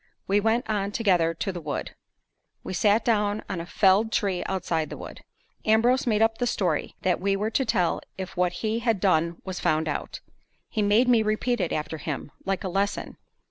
We went on together to the wood. We sat down on a felled tree outside the wood. Ambrose made up the story that we were to tell if what he had done was found out. He made me repeat it after him, like a lesson.